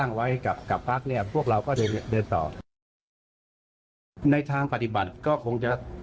๒๒นี้คิดว่าจะรับรื่นไหมคะ